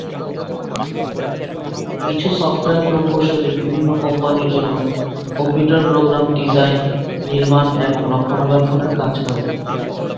কিছু সফটওয়্যার প্রকৌশলী বিভিন্ন কোম্পানির জন্য কম্পিউটার প্রোগ্রাম ডিজাইন, নির্মাণ এবং রক্ষণাবেক্ষণের কাজ করেন।